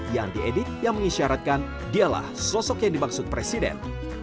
yang diedit yang mengisyaratkan dialah sosok yang dimaksud presiden